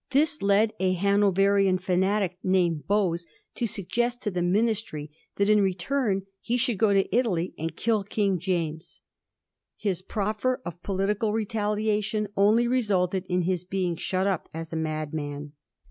This led a Hanoverian fanatic named Bowes to suggest to the ministry that in return he should go to Italy and kill King James. His proffer of political retaliation only resulted in his being shut up as a madman.